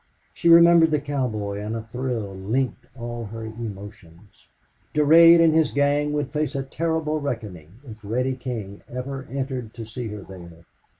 She remembered the cowboy, and a thrill linked all her emotions. Durade and his gang would face a terrible reckoning if Reddy King ever entered to see her there.